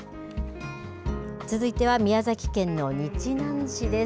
続いては宮崎県の日南市です。